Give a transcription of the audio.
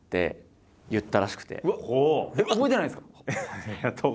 覚えてないんですか？